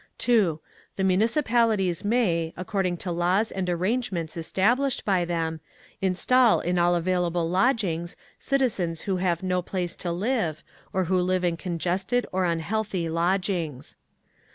2. The Municipalities may, according to laws and arrangements established by them, install in all available lodgings citizens who have no place to live, or who live in congested or unhealthy lodgings.